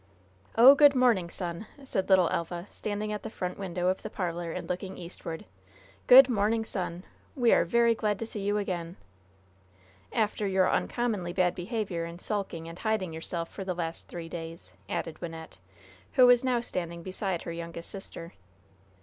"Oh, good morning, Sun!" said little Elva, standing at the front window of the parlor and looking eastward. "Good morning, Sun! We are very glad to see you again!" "After your uncommonly bad behavior in sulking and hiding yourself for the last three days," added Wynnette, who was now standing beside her youngest sister.